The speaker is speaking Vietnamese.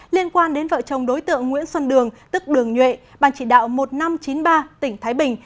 liên quan đến vợ chồng đối tượng nguyễn xuân đường tức đường nhuệ ban chỉ đạo một nghìn năm trăm chín mươi ba tỉnh thái bình